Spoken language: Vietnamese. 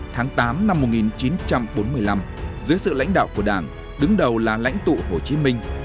tháng tám năm một nghìn chín trăm bốn mươi năm dưới sự lãnh đạo của đảng đứng đầu là lãnh tụ hồ chí minh